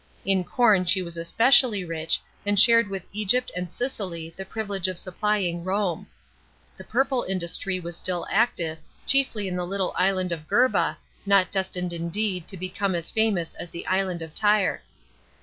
In corn she was especially rich and shared with Egypt and Sicily the privilege of supplying Rome. The purple industry was still active, chiefly in the little island of Gerba, not destined, indeed, to become as famous as the island of Tyre.